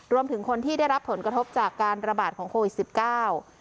รวมถึงคนที่ได้รับผลกระทบจากการระบาดของโควิดสิบเก้า